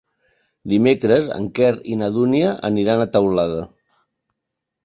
Dimecres en Quer i na Dúnia aniran a Teulada.